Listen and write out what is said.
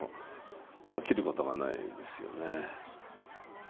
飽きることがないですよね。